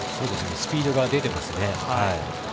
スピードが出てます。